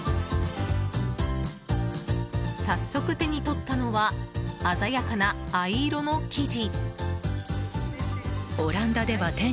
早速、手に取ったのは鮮やかな藍色の生地。